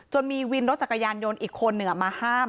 มีวินรถจักรยานยนต์อีกคนหนึ่งมาห้าม